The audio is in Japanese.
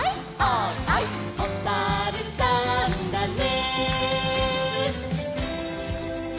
「おさるさんだね」